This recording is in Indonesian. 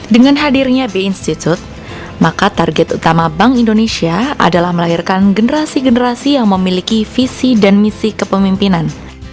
dengan hadirnya b institute maka target utama bank indonesia adalah melahirkan generasi generasi yang memiliki visi dan misi kepemimpinan